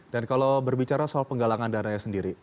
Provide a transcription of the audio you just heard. dan kalau berbicara soal penggalangan dananya sendiri